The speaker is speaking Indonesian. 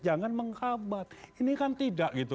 jangan menghambat ini kan tidak